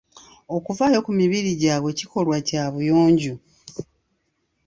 Okufaayo ku mibiri gyabwe kikolwa Kya buyonjo.